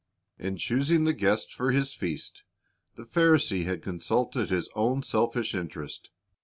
In choosing the guests for his feast, the Pharisee had consulted his own selfish interest.